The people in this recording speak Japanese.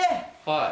はい。